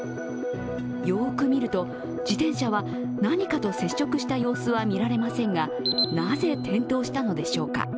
よく見ると、自転車は何かと接触した様子はみられませんがなぜ転倒したのでしょうか。